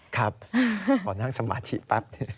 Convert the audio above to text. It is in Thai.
ขอนั่งสมาธิปั๊บ